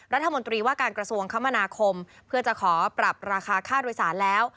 รัฐมนตรีว่าการกระทรวงคมนาคมเพื่อจะขอปรับราคาค่าโดยสารแล้ว